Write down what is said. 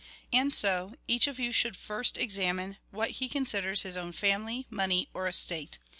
" And so, each of you should first examine what he considers his own family, money, or estate.